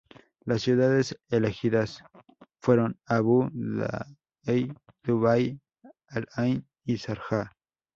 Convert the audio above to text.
Las ciudades elegidas fueron Abu Dhabi, Dubái, Al Ain y Sharjah.